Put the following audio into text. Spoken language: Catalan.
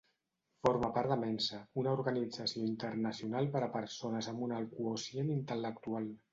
Forma part de mensa, una organització internacional per a persones amb un alt quocient intel·lectual.